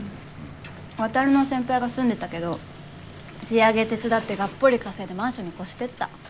ワタルの先輩が住んでたけど地上げ手伝ってがっぽり稼いでマンションに越してった。